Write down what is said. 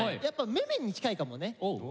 やっぱめめに近いかもね。